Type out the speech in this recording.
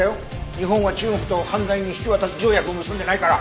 日本は中国と犯罪人引渡条約を結んでないから。